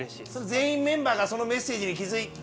全員メンバーがそのメッセージに気付い。